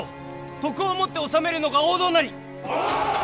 徳をもって治めるのが王道なり！